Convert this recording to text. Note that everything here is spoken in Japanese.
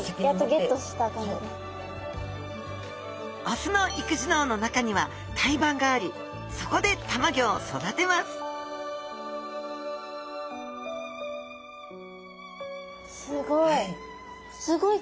雄の育児のうの中には胎盤がありそこで卵を育てますすごい。